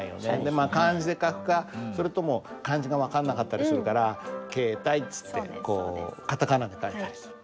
まあ漢字で書くかそれとも漢字が分かんなかったりするから「ケータイ」っつってこうカタカナで書いたりする。